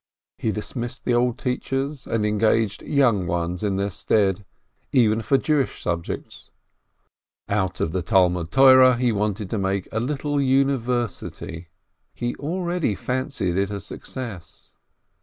He dismissed the old teachers, and engaged young ones in their stead, even for Jewish subjects. Out of the Talmud Torah he wanted to make a little university. He already fancied it a success.